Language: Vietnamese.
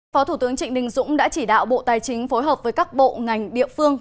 phó thủ tướng trịnh đình dũng đã chỉ đạo bộ tài chính phối hợp với các bộ ngành địa phương